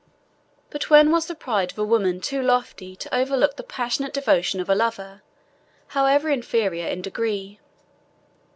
But when was the pride of woman too lofty to overlook the passionate devotion of a lover, however inferior in degree?